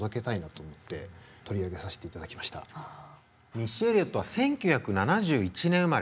ミッシー・エリオットは１９７１年生まれ。